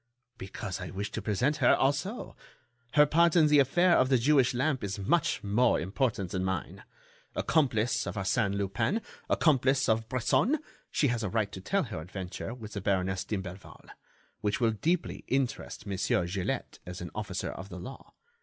"Because I wish to present her also. Her part in the affair of the Jewish lamp is much more important than mine. Accomplice of Arsène Lupin, accomplice of Bresson, she has a right to tell her adventure with the Baroness d'Imblevalle—which will deeply interest Monsieur Gilett as an officer of the law.